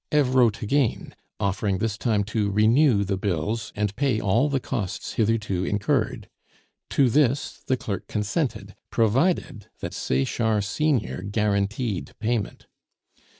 Eve wrote again, offering this time to renew the bills and pay all the costs hitherto incurred. To this the clerk consented, provided that Sechard senior guaranteed payment.